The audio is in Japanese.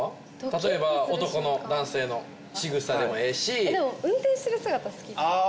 例えば男の男性のしぐさでもええしでも運転してる姿好きですあ